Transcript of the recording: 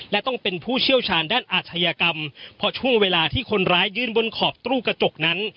และต้องเป็นผู้เชี่ยวชาญด้านอาชญากรรมเพราะช่วงเวลาที่คนร้ายยืนบนขอบตู้กระจกนั้น